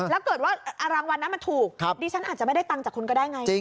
แล้วเกิดว่ารางวัลนั้นมันถูกดิฉันอาจจะไม่ได้ตังค์จากคุณก็ได้ไง